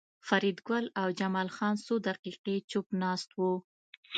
فریدګل او جمال خان څو دقیقې چوپ ناست وو